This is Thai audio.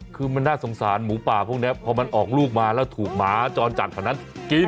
คือมันน่าสงสารหมูป่าพวกนี้พอมันออกลูกมาแล้วถูกหมาจรจัดคนนั้นกิน